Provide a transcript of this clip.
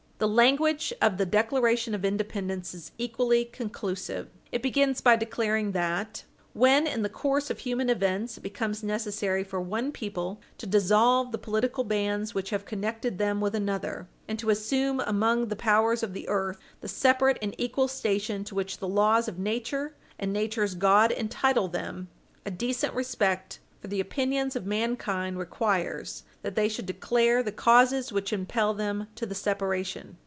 The language of the Declaration of Independence is equally conclusive: It begins by declaring that, "[w]hen in the course of human events it becomes necessary for one people to dissolve the political bands which have connected them with another, and to Page 60 U. S. 410 assume among the powers of the earth the separate and equal station to which the laws of nature and nature's God entitle them, a decent respect for the opinions of mankind requires that they should declare the causes which impel them to the separation."